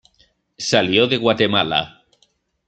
Salió de Guatemala.